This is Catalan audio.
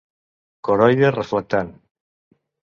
Coroide Reflectant: